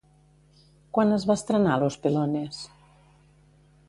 Quan es va estrenar Los Pelones?